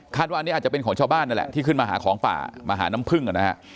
ว่าอันนี้อาจจะเป็นของชาวบ้านนั่นแหละที่ขึ้นมาหาของป่ามาหาน้ำพึ่งนะฮะ